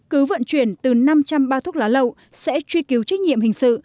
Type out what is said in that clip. cứ vận chuyển từ năm trăm linh bao thuốc lá lậu sẽ truy cứu trách nhiệm hình sự